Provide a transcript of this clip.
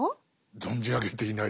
存じ上げていないです。